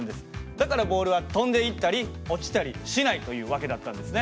だからボールは飛んでいったり落ちたりしないという訳だったんですね。